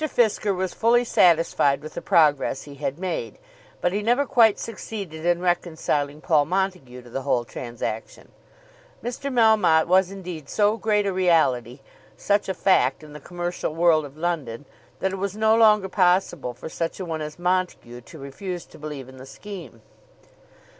Fisker was fully satisfied with the progress he had made, but he never quite succeeded in reconciling Paul Montague to the whole transaction. Mr. Melmotte was indeed so great a reality, such a fact in the commercial world of London, that it was no longer possible for such a one as Montague to refuse to believe in the scheme.